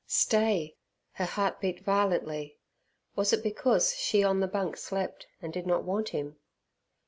Stay! Her heart beat violently; was it because she on the bunk slept and did not want him?